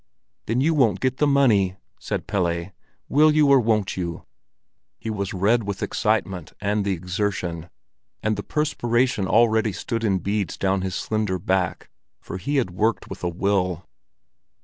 "Then you won't get the money," said Pelle. "Will you or won't you?" He was red with excitement and the exertion, and the perspiration already stood in beads down his slender back, for he had worked with a will.